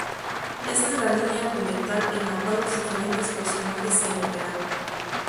Esta es la línea argumental en la cual los diferentes personajes se moverán.